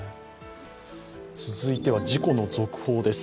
続いては事故の続報です。